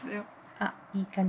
あっいい感じ。